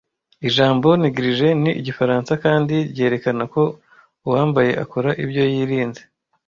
Ijambo negligee ni igifaransa kandi ryerekana ko uwambaye akora ibyo yirinze